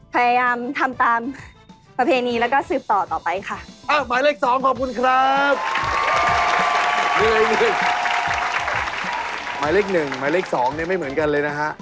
หมายเลขหนึ่งหมายเลขสองนี่ไม่เหมือนกันเลยนะฮะ